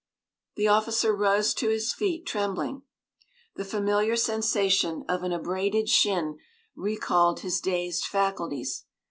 The officer rose to his feet, trembling. The familiar sensation of an abraded shin recalled his dazed faculties.